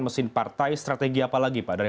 mesin partai strategi apa lagi pak dari